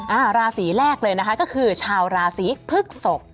ราศีแรกเลยนะคะก็คือชาวราศีพฤกษก